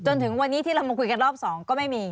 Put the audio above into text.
จนถึงวันนี้ที่เรามาคุยกันรอบ๒ก็ไม่มี